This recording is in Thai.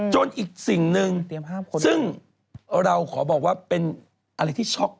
อีกสิ่งหนึ่งซึ่งเราขอบอกว่าเป็นอะไรที่ช็อก